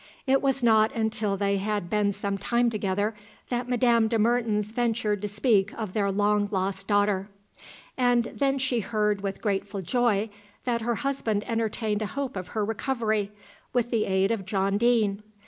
It was not until they had been some time together that Madame de Mertens ventured to speak of their long lost daughter; and then she heard with grateful joy that her husband entertained a hope of her recovery, with the aid of John Deane.